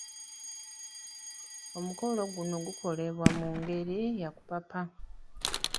Omukolo guno gukolebwa mu ngeri ya kupapa.